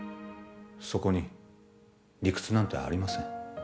そこに理屈なんてありません